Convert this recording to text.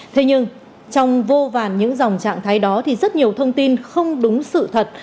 thế nhưng trong vô vàn những dòng trạng thái đó thì rất nhiều thông tin không đúng sự thật